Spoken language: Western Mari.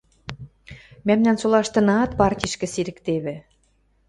Мӓмнӓн солаштынаат партишкӹ сирӹктевӹ.